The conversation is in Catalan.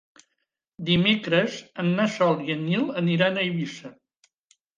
Dimecres na Sol i en Nil aniran a Eivissa.